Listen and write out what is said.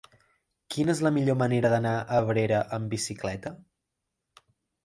Quina és la millor manera d'anar a Abrera amb bicicleta?